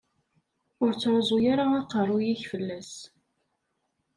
Ur ttruẓu ara aqerru-k fell-as.